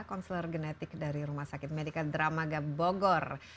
konsuler genetik dari rumah sakit medika dramaga bogor